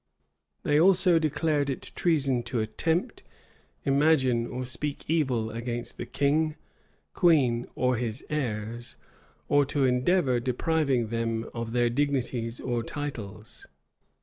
[*] They also declared it treason to attempt, imagine, or speak evil against the king, queen, or his heirs; or to endeavor depriving them of their dignities or titles.